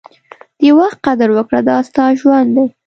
د وخت قدر وکړه، دا ستا ژوند دی.